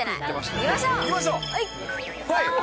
行きましょう。